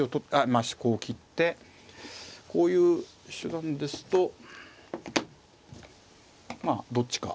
まあこう切ってこういう手段ですとまあどっちか。